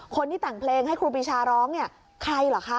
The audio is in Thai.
คนที่แต่งเพลงให้ครูปีชาร้องเนี่ยใครเหรอคะ